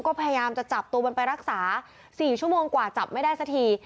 ก็พยายามจะจับตัวมันไปรักษา๔ชั่วโมงกว่าจับไม่ได้สักที